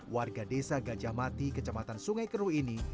warga desa gajahmati kecamatan sungai keru ini